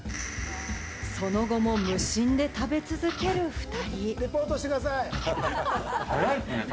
その後も無心で食べ続ける２人。